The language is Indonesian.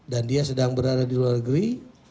dan dia sedang berada di luar negeri